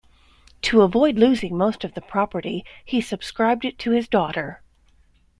To avoid losing most of the property, he subscribed it to his daughter.